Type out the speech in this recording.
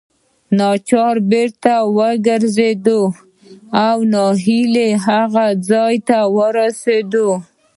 ناچاره بیرته راوګرځېدو او نا امیدۍ هغه ځای ته ورسېدو.